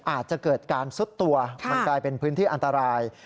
อาจจะเกิดการซุดตัวมันกลายเป็นพื้นที่อันตราย